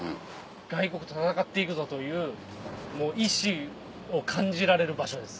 外国と戦っていくぞという意志を感じられる場所です。